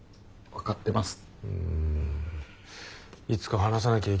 分かってます。